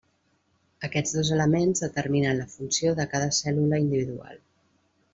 Aquests dos elements determinen la funció de cada cèl·lula individual.